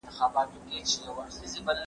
د چایو ګرم بوی په ټوله کوټه کې خپور شو.